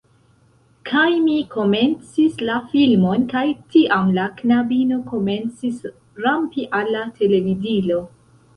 Kaj mi komencis la filmon, kaj tiam, la knabino komencis rampi al la televidilo.